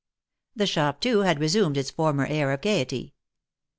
The shop, too, had resumed its former air of gayety.